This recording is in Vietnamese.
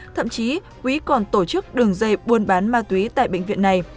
thậm chí quý còn tổ chức đường dây buôn bán ma túy tại bệnh viện này